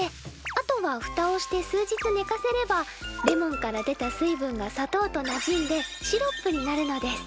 あとはフタをして数日ねかせればレモンから出た水分が砂糖となじんでシロップになるのです。